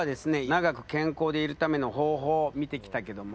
長く健康でいるための方法を見てきたけども。